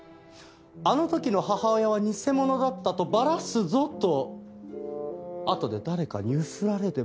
「あの時の母親は偽者だったとバラすぞ」とあとで誰かにゆすられでもしたら。